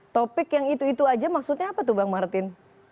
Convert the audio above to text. topik yang itu itu aja maksudnya apa tuh bang martin